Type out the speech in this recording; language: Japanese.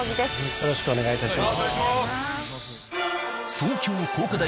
よろしくお願いします。